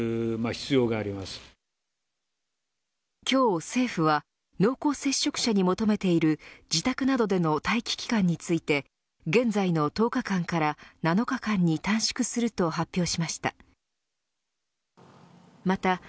今日、政府は濃厚接触者に求めている自宅などでの待機期間について現在の１０日間から７日間に短縮すると発表しました。